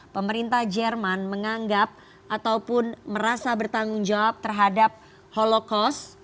pemerintah jerman menganggap ataupun merasa bertanggung jawab terhadap holocaust